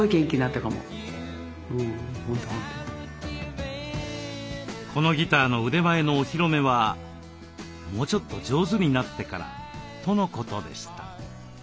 これでこのギターの腕前のお披露目はもうちょっと上手になってからとのことでした。